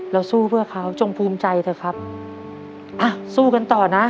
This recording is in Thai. สู้เพื่อเขาจงภูมิใจเถอะครับอ่ะสู้กันต่อนะ